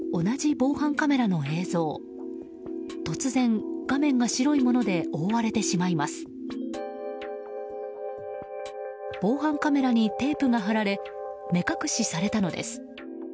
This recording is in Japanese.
防犯カメラにテープが貼られ目隠しされたのです。